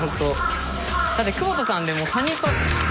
だって久保田さんでも３人捕ま。